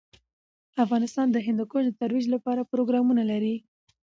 افغانستان د هندوکش د ترویج پروګرامونه لري.